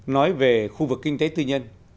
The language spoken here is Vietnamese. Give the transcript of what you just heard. nói về khu vực kinh tế tư nhân